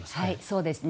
そうですね。